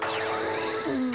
うん。